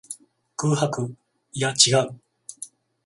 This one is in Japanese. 空白。いや、違う。